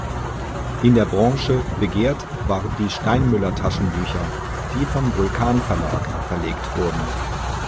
In der Branche begehrt waren die Steinmüller-Taschenbücher, die vom Vulkan-Verlag verlegt wurden.